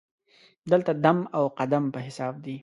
دلته دم او قدم په حساب دی.